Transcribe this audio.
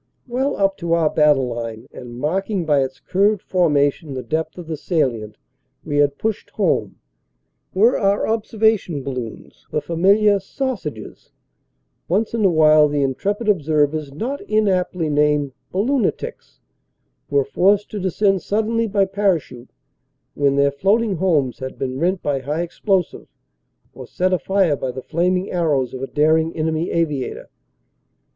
Well up to our battle line, and marking by its curved formation the depth of the salient we had pushed home, were our observation balloons the fam iliar "sausages"; once in a while the intrepid observers not inaptly named "balloonitics" were forced to descend sud denly by parachute, when their floating homes had been rent by high explosive or set afire by the flaming arrows of a daring enemy aviator.